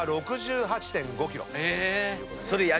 え！